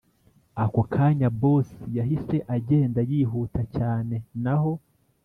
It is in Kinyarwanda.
ako kanya boss yahise agenda yihuta cyane naho